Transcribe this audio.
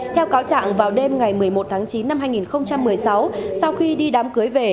theo cáo trạng vào đêm ngày một mươi một tháng chín năm hai nghìn một mươi sáu sau khi đi đám cưới về